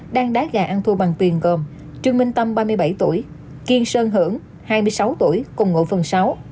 đang đá gà ăn thua bằng tiền gồm trương minh tâm ba mươi bảy tuổi kiên sơn hưởng hai mươi sáu tuổi cùng ngụ phần sáu